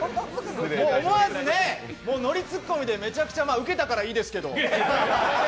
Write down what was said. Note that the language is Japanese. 思わずノリツッコミでめちゃくちゃウケたからいいですけど。